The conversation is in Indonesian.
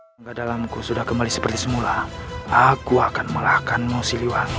ketika dalamku sudah kembali seperti semula aku akan melahkanmu siliwani